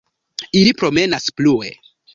Ili promenas plue.